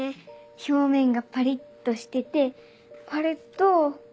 表面がパリっとしてて割ると。